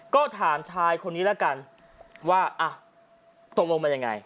ก็ถามชายคนนี้แล้วกันว่าอ่ะตกลงมันยังไง